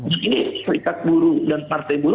jadi ini serikat buru dan partai buru